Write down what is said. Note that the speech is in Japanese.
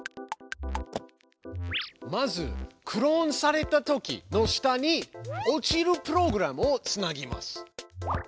まず「クローンされたとき」の下に落ちるプログラムをつなぎます。